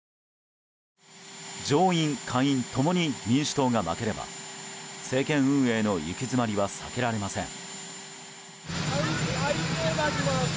上院・下院共に民主党が負ければ政権運営の行き詰まりは避けられません。